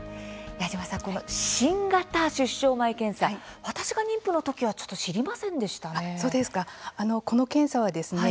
矢島さん、この新型出生前検査私が妊婦のときはちょっと知りませんでしたね。